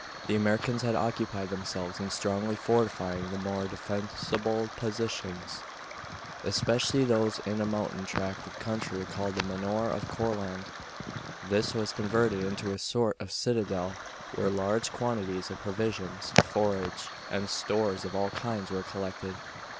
The Americans had occupied themselves in strongly fortifying the more defensible positions, especially those in a mountain tract of country called the Manor of Courland. This was converted into a sort of citadel, where large quantities of provisions, forage, and stores of all kinds were collected.